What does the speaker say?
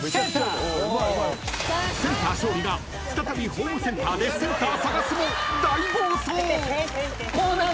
［センター勝利が再びホームセンターでセンター探すも大暴走！］